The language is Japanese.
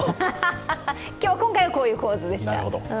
今回はこういう構図でした。